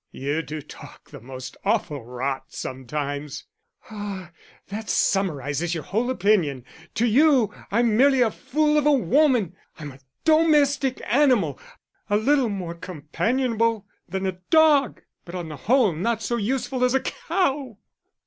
"You do talk the most awful rot sometimes." "Ah, that summarises your whole opinion. To you I'm merely a fool of a woman. I'm a domestic animal, a little more companionable than a dog, but on the whole, not so useful as a cow."